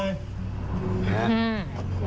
อื้อฮือ